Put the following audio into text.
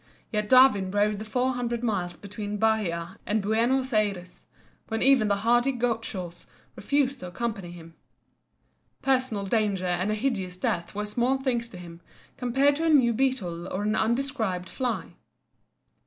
Yet Darwin rode the four hundred miles between Bahia and Buenos Ayres, when even the hardy Gauchos refused to accompany him. Personal danger and a hideous death were small things to him compared to a new beetle or an undescribed fly.